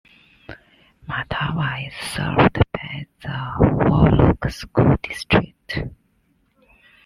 Mattawa is served by the Wahluke School District.